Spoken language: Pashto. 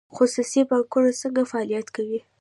خصوصي بانکونه څنګه فعالیت کوي؟